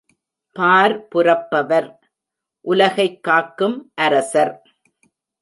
பார் புரப்பவர்—உலகைக் காக்கும் அரசர்.